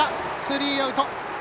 スリーアウト。